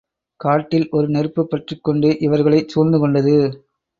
காட்டில் ஒரு நெருப்புப் பற்றிக் கொண்டு இவர்களைச் சூழ்ந்து கொண்டது.